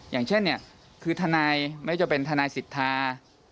อย่างเช่นคือทนายไม่ว่าจะเป็นทนายศิษฐา